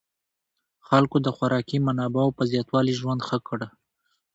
خلکو د خوراکي منابعو په زیاتوالي ژوند ښه کړ.